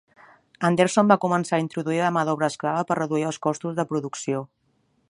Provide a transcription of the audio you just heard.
Anderson va començar a introduir la ma d'obra esclava per reduir els costos de producció.